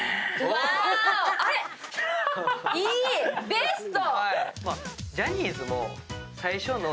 ベスト。